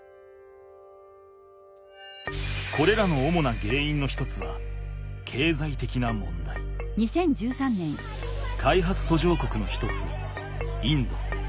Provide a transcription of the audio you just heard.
これらの主なげんいんの一つは開発途上国の一つインド。